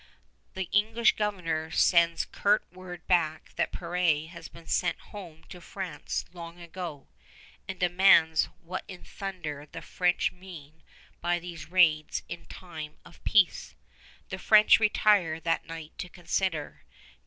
The English Governor sends curt word back that Peré has been sent home to France long ago, and demands what in thunder the French mean by these raids in time of peace. The French retire that night to consider.